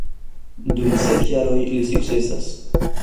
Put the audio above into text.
Dum sep jaroj li sukcesas.